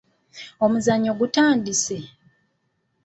Omuzannyo gutandise?